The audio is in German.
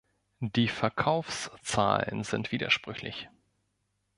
Die Verkaufszahlen sind widersprüchlich.